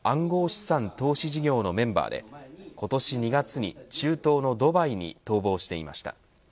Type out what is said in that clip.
資産投資事業のメンバーで今年２月に中東のドバイに逃亡していました。